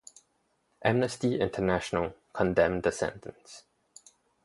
Amnesty International condemned the sentence.